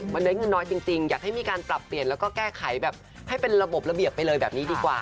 มันได้เงินน้อยจริงอยากให้มีการปรับเปลี่ยนแล้วก็แก้ไขแบบให้เป็นระบบระเบียบไปเลยแบบนี้ดีกว่า